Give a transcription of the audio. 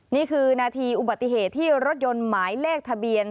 นี่คือนาทีอุบัติเหตุที่รถยนต์หมายเลขทะเบียน